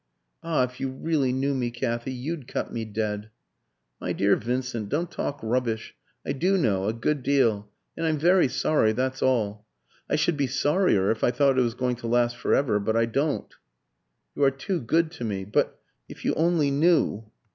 "Ah, if you really knew me, Kathy, you'd cut me dead!" "My dear Vincent, don't talk rubbish. I do know a good deal and I'm very sorry; that's all. I should be sorrier if I thought it was going to last for ever; but I don't." "You are too good to me; but if you only knew!"